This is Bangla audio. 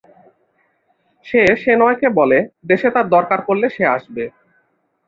সে শেনয় কে বলে দেশে তার দরকার পরলে সে আসবে।